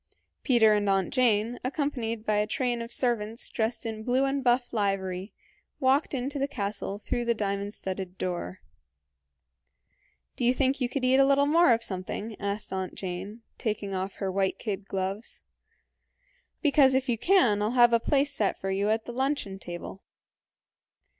Peter and Aunt Jane, accompanied by a train of servants dressed in blue and buff livery, walked into the castle through the diamond studded door. "Do you think you could eat a little more of something?" said Aunt Jane, taking off her white kid gloves; "because if you can I'll have a place set for you at the luncheon table."